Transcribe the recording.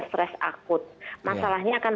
stress akut masalahnya akan